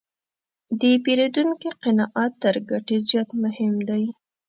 د پیرودونکي قناعت تر ګټې زیات مهم دی.